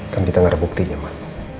kan kita gak ada buktinya mak